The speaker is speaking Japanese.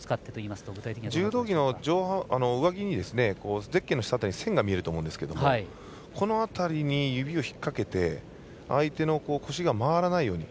柔道着の上着ゼッケンの下辺りに線が見えると思うんですけどこの辺りに指を引っ掛けて相手の腰が回らないように。